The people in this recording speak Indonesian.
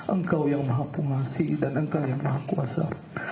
engkau yang maha pengasih dan engkau yang maha kuasa